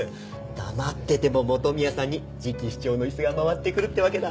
黙ってても本宮さんに次期市長の椅子が回ってくるってわけだ。